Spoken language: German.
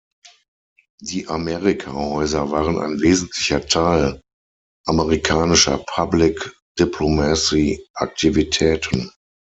Die Amerika-Häuser waren ein wesentlicher Teil amerikanischer Public Diplomacy Aktivitäten.